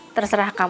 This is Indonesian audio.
terserah kamu aja